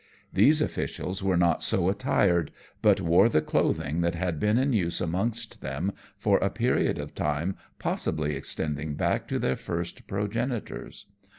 These officials were not so attired, but wore the clothing that had been in use amongst them for a period of time possibly extending back to their first progenitors.